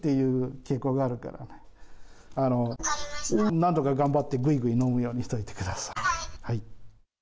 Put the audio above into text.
なんとか頑張って、ぐいぐい飲むようにしといてください。